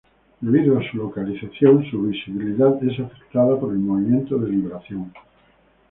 Debido a su localización, su visibilidad es afectada por el movimiento de libración.